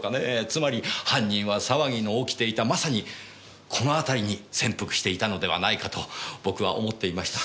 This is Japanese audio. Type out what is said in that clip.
つまり犯人は騒ぎの起きていたまさにこの辺りに潜伏していたのではないかと僕は思っていました。